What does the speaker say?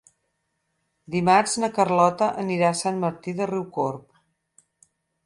Dimarts na Carlota anirà a Sant Martí de Riucorb.